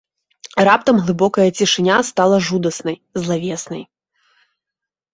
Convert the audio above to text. Раптам глыбокая цішыня стала жудаснай, злавеснай.